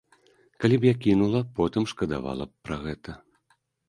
Калі б я кінула, потым шкадавала б пра гэта.